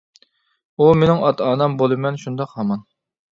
ئۇ، مېنىڭ ئاتا-ئانام، بولىمەن شۇنداق ھامان.